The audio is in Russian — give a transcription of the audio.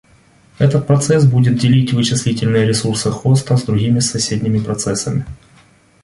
Этот процесс будет делить вычислительные ресурсы хоста с другими соседними процессами